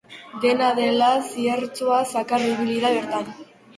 Dena dela, ziertzoa zakar ibiliko da bertan.